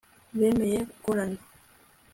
bemeye gukorana